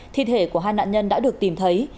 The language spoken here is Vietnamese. thi thể của hai nạn nhân đã được tìm thấy